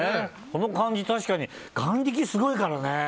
この感じ確かに眼力がすごいからね。